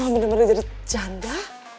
mama bener bener jadi janda